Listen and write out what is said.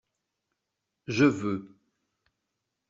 Je veux.